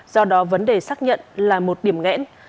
do đó vấn đề xác nhận là một điểm nghẽn